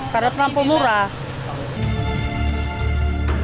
karena terlampau murah